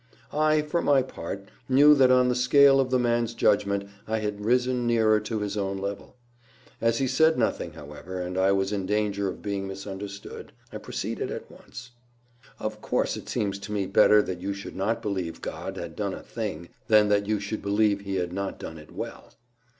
I, for my part, knew that on the scale of the man's judgment I had risen nearer to his own level. As he said nothing, however, and I was in danger of being misunderstood, I proceeded at once. "Of course it seems to me better that you should not believe God had done a thing, than that you should believe He had not done it well!"